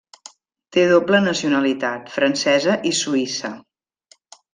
Té doble nacionalitat, francesa i suïssa.